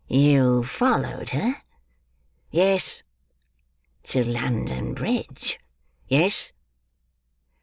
"You followed her?" "Yes." "To London Bridge?" "Yes."